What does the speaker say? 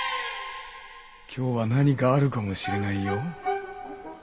今日は何かあるかもしれないよ。